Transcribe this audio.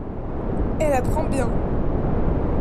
Elle apprend bien.